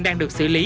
đang được xử lý